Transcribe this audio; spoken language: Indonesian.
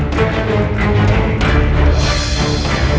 kalau tidak salah